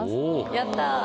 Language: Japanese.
やった。